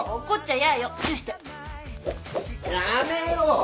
怒っちゃやーよ。